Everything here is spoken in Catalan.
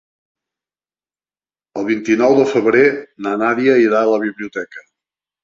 El vint-i-nou de febrer na Nàdia irà a la biblioteca.